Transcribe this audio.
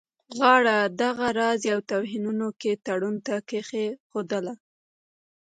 غاړه دغه راز یوه توهینونکي تړون ته کښېښودله.